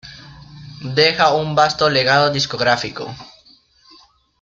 Deja un vasto legado discográfico.